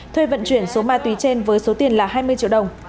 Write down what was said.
thuê vận chuyển số ma túy trên với số tiền là hai mươi triệu đồng